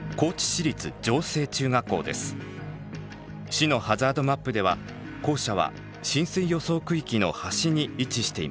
市のハザードマップでは校舎は浸水予想区域の端に位置しています。